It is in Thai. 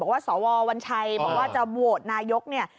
ว่าสววัญชัยบอกว่าจะโหวตนายกเนี่ย